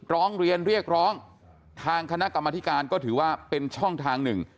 ร้องเรียนเรียกร้องทางคณะกรรมธิการก็ถือว่าเป็นช่องทางหนึ่ง